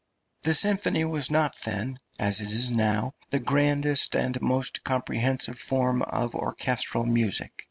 The symphony was not then, as it is now, the grandest and most comprehensive form of orchestral music.